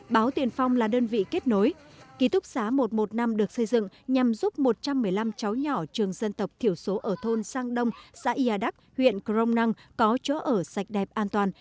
báo tiền phong là đơn vị kết nối ký túc xá một trăm một mươi năm được xây dựng nhằm giúp một trăm một mươi năm cháu nhỏ trường dân tộc thiểu số ở thôn sang đông xã yà đắc huyện crong năng có chỗ ở sạch đẹp an toàn